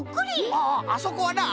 あああそこはな